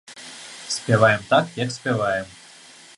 Спяваем так, як спяваем.